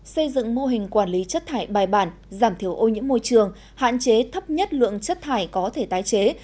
xây dựng mô hình quản lý chất thải bài bản giảm thiểu ô nhiễm môi trường hạn chế thấp nhất lượng chất thải có thể tái chế